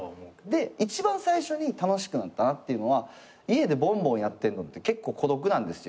で一番最初に楽しくなったなっていうのは家でボンボンやってんのって結構孤独なんですよ。